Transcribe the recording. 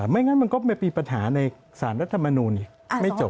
ไม่งั้นมันก็ไม่มีปัญหาในสารรัฐมนูลไม่จบ